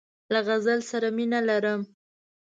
له غزل سره مینه لرم.